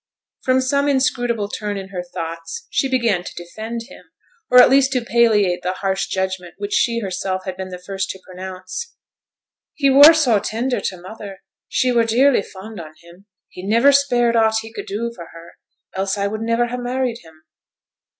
From some inscrutable turn in her thoughts, she began to defend him, or at least to palliate the harsh judgment which she herself had been the first to pronounce. 'He were so tender to mother; she were dearly fond on him; he niver spared aught he could do for her, else I would niver ha' married him.'